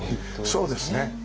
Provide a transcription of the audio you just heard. そうですね。